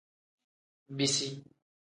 Bisi.